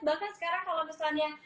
bahkan sekarang kalau misalnya